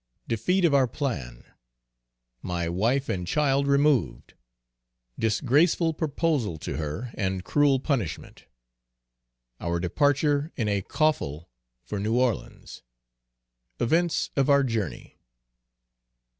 Defeat of our plan. My wife and child removed. Disgraceful proposal to her, and cruel punishment. Our departure in a coffle for New Orleans. Events of our journey.